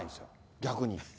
逆に。